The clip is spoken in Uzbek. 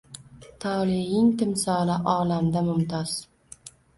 Toleing timsoli, olamda mumtoz.